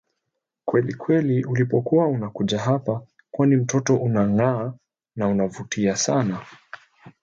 kwelikweli ulipokuwa unakuja hapa kwani mtoto unang'aa na unavutia sana